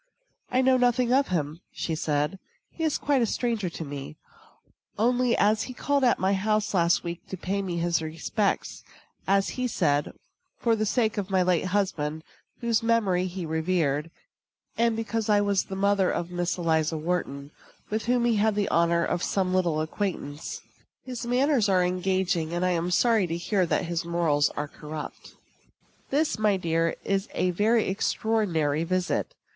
"I know nothing of him," said she; "he is quite a stranger to me, only as he called at my house last week to pay me his respects, as he said, for the sake of my late husband, whose memory he revered, and because I was the mother of Miss Eliza Wharton, with whom he had the honor of some little acquaintance. His manners are engaging, and I am sorry to hear that his morals are corrupt." This, my dear, is a very extraordinary visit.